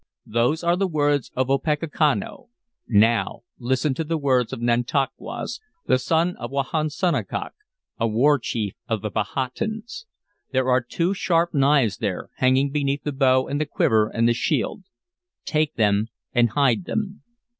"Those are the words of Opechancanough. Now listen to the words of Nantauquas, the son of Wahunsonacock, a war chief of the Powhatans. There are two sharp knives there, hanging beneath the bow and the quiver and the shield. Take them and hide them."